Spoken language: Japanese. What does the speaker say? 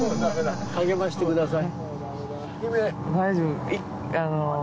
励ましてください。